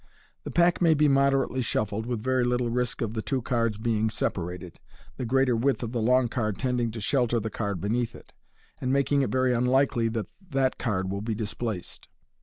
The pack may be moderately shuffled, with very little risk of the two cards being separated, the greater width of the long card tending to shelter the card beneath it, and making it /ery unlikely that that card will be displaced.